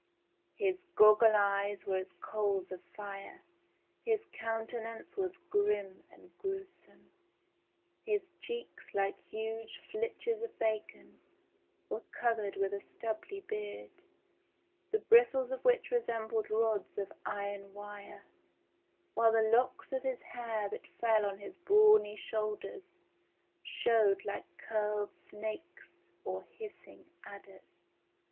His goggle eyes were as coals of fire, his coun tenance was grim and gruesome ; his cheeks, like huge flitches of bacon, were covered with a stubbly beard, the bristles of which resembled rods of iron wire, while the locks of hair that fell on his brawny shoulders showed like curled snakes or hissing adders.